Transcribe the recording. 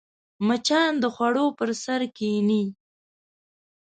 مچان د خوړو پر سر کښېني